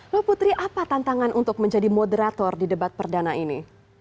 lalu putri apa tantangan untuk menjadi moderator di debat perdana ini